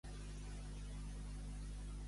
Quants fills varen sorgir d'aquest amor?